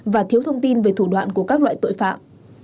và thiếu thông tin về thủ đoạn của các loại tội phạm